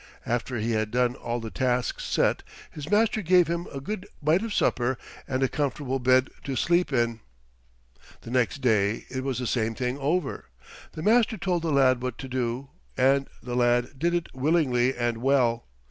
After he had done all the tasks set, his master gave him a good bite of supper and a comfortable bed to sleep in. The next day it was the same thing over. The master told the lad what to do, and the lad did it willingly and well.